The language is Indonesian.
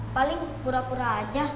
paling pura pura aja